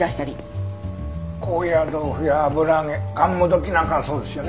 高野豆腐や油揚げがんもどきなんかがそうですよね。